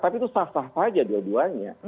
tapi itu sah sah saja dua duanya